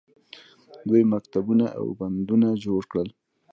دوی مکتبونه او بندونه جوړ کړل.